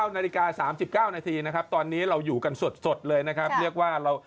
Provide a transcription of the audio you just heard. ๙นิกา๓๙นาทีตอนนี้เราอยู่กันสดเลยนะครับ